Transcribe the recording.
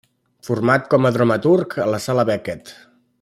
Format com a dramaturg a la Sala Beckett.